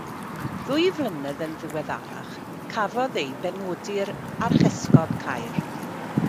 Ddwy flynedd yn ddiweddarach cafodd ei benodi'r Archesgob Caer.